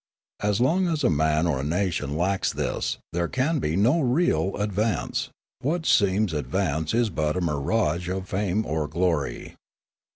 As long as a man or a nation lacks this, there can be no real ad vance; what seems advance is but a mirage of fame or glory.